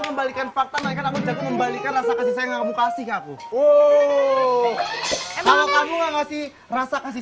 membalikan fakta mereka membalikan rasa kasih sayang kamu kasih aku oh kamu ngasih rasa kasih